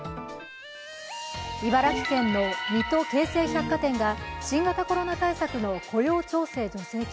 茨城県の水戸京成百貨店が新型コロナ対策の雇用調整助成金